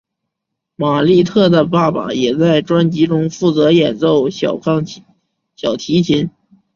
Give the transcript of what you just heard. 玛莉特的爸爸也在专辑中负责演奏小提琴。